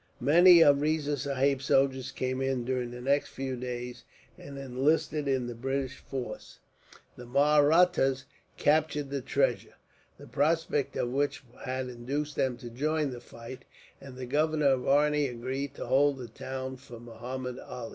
Many of Riza Sahib's soldiers came in, during the next few days, and enlisted in the British force. The Mahrattas captured the treasure, the prospect of which had induced them to join in the fight, and the governor of Arni agreed to hold the town for Muhammud Ali.